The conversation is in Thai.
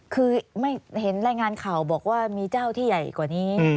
คือไม่เห็นรายงานข่าวบอกว่ามีเจ้าที่ใหญ่กว่านี้